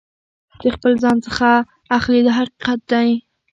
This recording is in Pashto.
د خپل ځان څخه اخلي دا حقیقت دی.